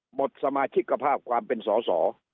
หมดสมาชิกภาพความเป็นสอสอ